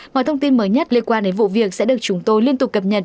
mọi thông tin mới nhất liên quan đến vụ việc sẽ được chúng tôi liên tục cập nhật